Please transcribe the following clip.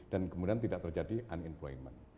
dan kemudian tidak terjadi unemployment